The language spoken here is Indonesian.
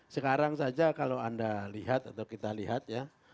sekarang saja kalau anda lihat atau kita lihat ya